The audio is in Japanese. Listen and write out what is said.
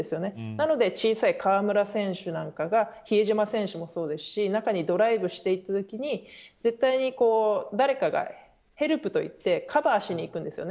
なので小さい河村選手なんかが比江島選手もそうですし中にドライブしていたときに絶対に誰かがヘルプといってカバーしにいくんですよね。